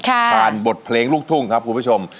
ผ่านบทเพลงลูกทุ่งครับคุณผู้ชม